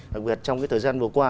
đặc biệt trong cái thời gian vừa qua